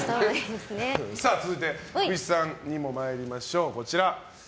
続いて福地さんにも参りましょう。